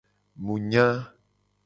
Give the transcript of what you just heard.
Mu nya.